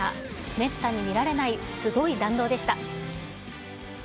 めったに見られないすごい弾道でした。